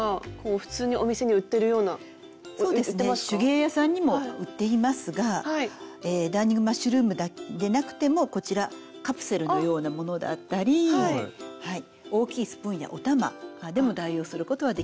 手芸屋さんにも売っていますがダーニングマッシュルームでなくてもこちらカプセルのようなものだったり大きいスプーンやお玉でも代用することはできます。